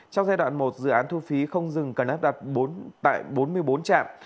trong giai đoạn một dự án thu phí không dừng cần áp đặt tại bốn mươi bốn trạm